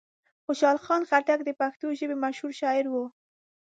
خوشحال خان خټک د پښتو ژبې مشهور شاعر و.